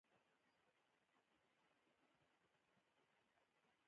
کوم ډول اړیکې ته اشتراکي اړیکه ویل کیږي؟